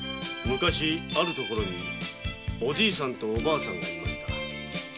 「昔ある所におじいさんとおばあさんがいました」。